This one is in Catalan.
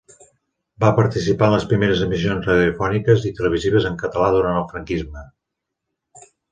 Va participar en les primeres emissions radiofòniques i televisives en català durant el franquisme.